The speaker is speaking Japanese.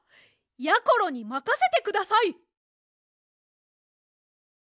やころにまかせてください！